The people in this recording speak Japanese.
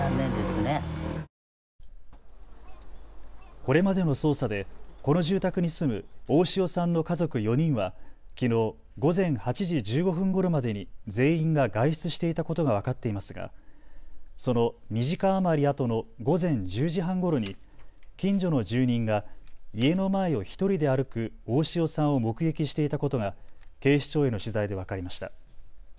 これまでの捜査でこの住宅に住む大塩さんの家族４人はきのう午前８時１５分ごろまでに全員が外出していたことが分かっていますがその２時間余りあとの午前１０時半ごろに近所の住人が家の前を１人で歩く大塩さんを目撃していたことが警視庁への取材で分かりました。